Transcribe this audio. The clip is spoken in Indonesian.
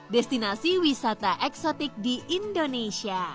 destinasi wisata eksotik di indonesia